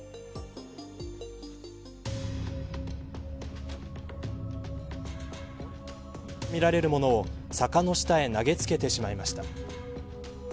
ごみとみられるものを坂の下へ投げつけてしまいました。